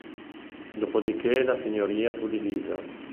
Dopodiché la signoria fu divisa.